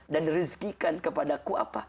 dan rizkikan kepadaku apa